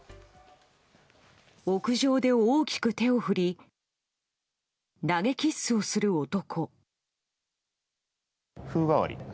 屋上で大きく手を振り投げキッスをする男。